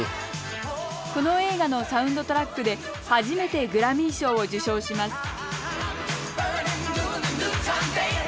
この映画のサウンドトラックで初めてグラミー賞を受賞します